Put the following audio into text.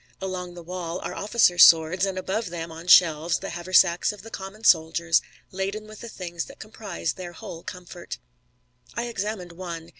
Along the wall are officers' swords, and above them, on shelves, the haversacks of the common soldiers, laden with the things that comprise their whole comfort. I examined one.